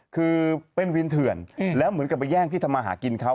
คือเป็นวินเถื่อนแล้วเหมือนกับไปแย่งที่ทำมาหากินเขา